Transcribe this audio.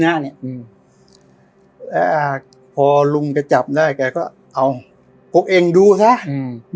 แล้วอ่ะพอลุงกระจับได้แกก็เอาพวกเองดูสะอืม